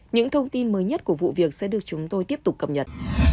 những thông tin mới nhất của vụ việc sẽ được chúng tôi tiếp tục cập nhật